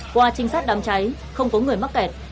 qua trinh sát đám cháy không có người mắc kẹt